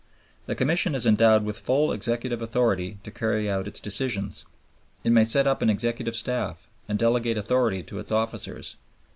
The Commission is endowed with full executive authority to carry out its decisions. It may set up an executive staff and delegate authority to its officers.